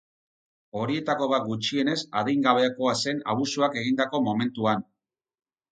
Horietako bat gutxienez adingabekoa zen abusuak egindako momentuan.